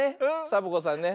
サボ子さんね。